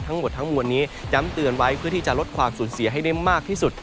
ทั้งหมดทั้งมวลนี้ย้ำเตือนไว้เพื่อที่จะลดความสูญเสียให้ได้มากที่สุด